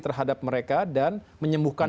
terhadap mereka dan menyembuhkan